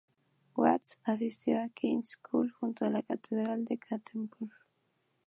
Watts asistió a la King's School, junto a la catedral de Canterbury.